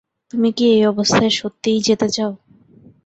তুমি কি এই অবস্থায় সত্যিই যেতে চাও?